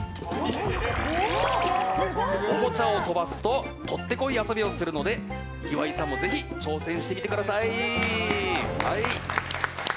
おもちゃを飛ばすと取ってこい遊びをするので岩井さんも、ぜひ挑戦してみてください。